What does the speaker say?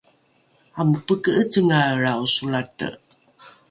amopoke’ecengaelrao solate